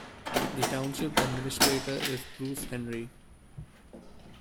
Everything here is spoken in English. The township administrator is Bruce Henry.